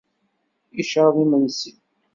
Icaḍ imensi.